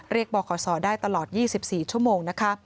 เรียกบรขสอได้ตลอด๒๔ชั่วโมง